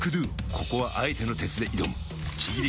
ここはあえての鉄で挑むちぎり